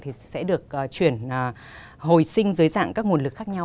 thì sẽ được chuyển hồi sinh dưới dạng các nguồn lực khác nhau